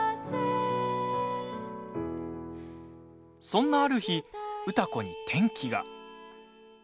そんなある日、歌子に転機が。